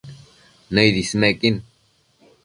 Nëid ismequin